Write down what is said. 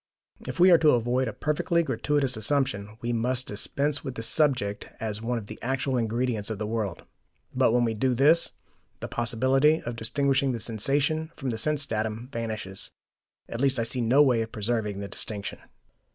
If we are to avoid a perfectly gratuitous assumption, we must dispense with the subject as one of the actual ingredients of the world. But when we do this, the possibility of distinguishing the sensation from the sense datum vanishes; at least I see no way of preserving the distinction.